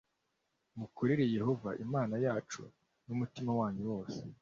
Mukorere Yehova Imana yacu n umutima wanyu wose